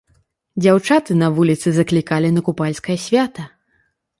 Дзяўчаты на вуліцы заклікалі на купальскае свята.